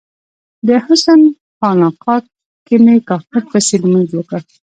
د حسن خانقا کې می کافر پسې لمونځ وکړ